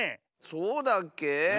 そうだっけ？